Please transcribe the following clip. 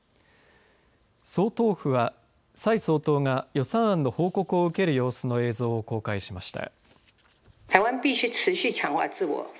総統府は、蔡総統が予算案の報告を受ける様子の映像を公開しました。